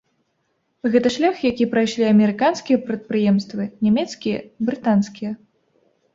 Гэта шлях, які прайшлі амерыканскія прадпрыемствы, нямецкія, брытанскія.